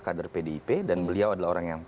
kader pdip dan beliau adalah orang yang